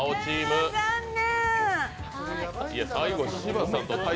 残念。